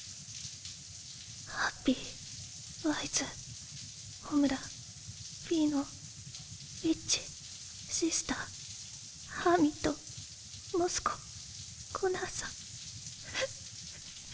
ハッピーワイズホムラピーノウィッチシスターハーミットモスココナーさん